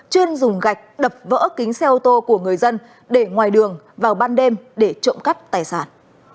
chuyên dùng gạch đập vỡ kính xe ô tô của người dân để ngoài đường vào ban đêm để trộm cắp tài sản